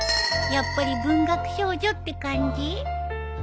やっぱり文学少女って感じ？